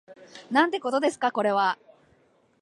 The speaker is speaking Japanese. なんてことですかこれは